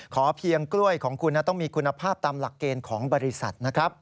เพียงกล้วยของคุณต้องมีคุณภาพตามหลักเกณฑ์ของบริษัทนะครับ